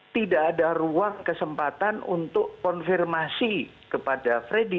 tidak ada ruang kesempatan untuk konfirmasi kepada freddy